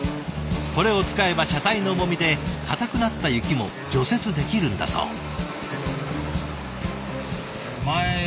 これを使えば車体の重みで硬くなった雪も除雪できるんだそう。